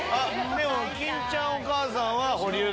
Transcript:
でも金ちゃんお母さんは保留だ。